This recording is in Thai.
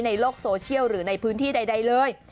ในโลกโซเชียลหรือในพื้นที่ใดเลย